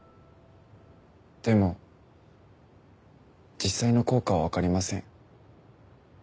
でも実際の効果はわかりません。